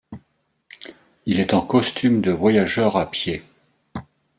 Il est en costume de voyageur à pied.